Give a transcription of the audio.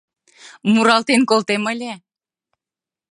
Муралтен колтем ыле.